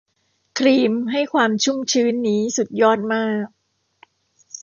ครีมให้ความชุ่มชื้นนี้สุดยอดมาก